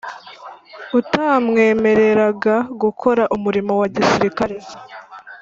Utamwemereraga gukora umurimo wa gisirikare